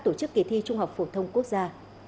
tổ chức kỳ thi trung học phổ thông quốc gia